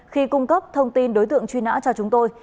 khi cung cấp thông tin đối tượng truy nã cho chúng tôi